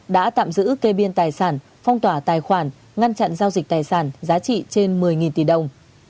đã tạm giữ kê biên tài sản phong tỏa tài khoản ngăn chặn giao dịch tài sản giá trị trên một mươi tỷ đồng